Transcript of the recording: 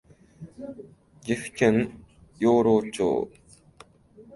岐阜県養老町